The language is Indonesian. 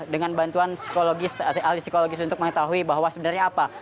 dengan bantuan psikologis ahli psikologis untuk mengetahui bahwa sebenarnya apa